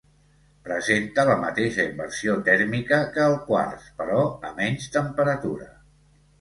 Presenta la mateixa inversió tèrmica que el quars, però a menys temperatura.